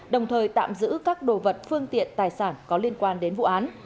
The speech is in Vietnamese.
đồng thời tạm giữ các đồ vật phương tiện tài sản có liên quan đến vụ án